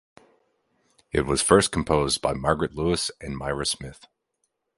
It was first composed by Margaret Lewis and Myra Smith.